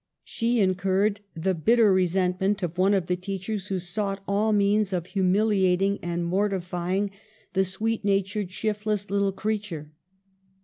She incurred the bitter re sentment of one of the teachers, who sought all means of humiliating and mortifying the 48 EMILY BRONTE. sweet natured, shiftless little creature.